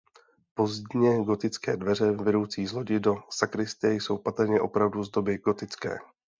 Pozdně gotické dveře vedoucí z lodi do sakristie jsou patrně opravdu z doby gotické.